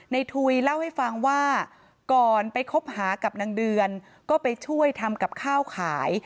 ทุยเล่าให้ฟังว่าก่อนไปคบหากับนางเดือนก็ไปช่วยทำกับข้าวขาย